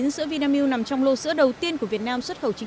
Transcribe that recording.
sữa vinamilk nằm trong lô sữa đầu tiên của việt nam